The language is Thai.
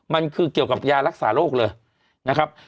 มันคือเกี่ยวกับยารักษาโรคเลยนะครับ